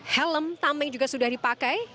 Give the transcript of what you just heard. helm tameng juga sudah dipakai